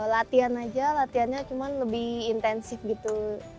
latihan aja latihannya cuma lebih intensif gitu